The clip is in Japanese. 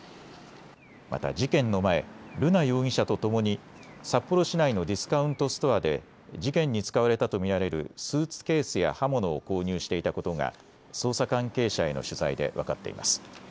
また事件の前、瑠奈容疑者とともに札幌市内のディスカウントストアで事件に使われたと見られるスーツケースや刃物を購入していたことが捜査関係者への取材で分かっています。